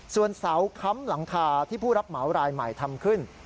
ส่วนเสาค้ำหลังคาที่ผู้รับเหมารายใหม่ทำขึ้น